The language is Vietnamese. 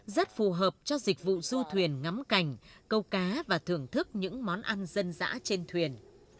rất phù hợp cho dịch vụ du thuyền ngắm cành câu cá và thưởng thức những món ăn dân dã trên thuyền